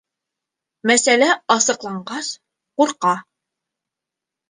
Мәсьәлә асыҡланғас, ҡурҡа